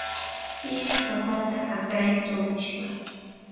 shiri papata akray tuqushpa.